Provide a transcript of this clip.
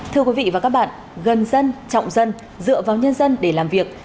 thưa quý vị và các bạn gần dân trọng dân dựa vào nhân dân để làm việc